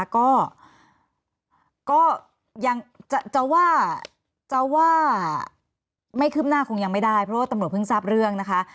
ก็ยังจะว่าจะว่าไม่คืบหน้าคงยังไม่ได้เพราะว่าตำรวจเพิ่งทราบเรื่องนะคะ